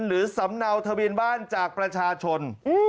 สำเนาทะเบียนบ้านจากประชาชน